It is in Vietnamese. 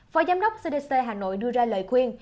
phó giám đốc cdc hà nội đưa ra lời khuyên